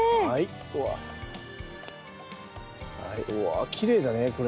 あきれいだねこれ。